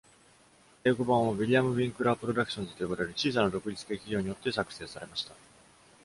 英語版は、William Winckler Productions と呼ばれる小さな独立系企業によって作成されました。